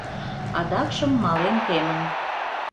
Адакшым мален темын.